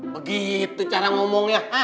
begitu cara ngomongnya